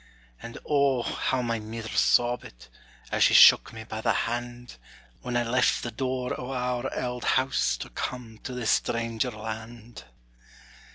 And O, how my mither sobbit, As she shook me by the hand, When I left the door o' our auld house, To come to this stranger land.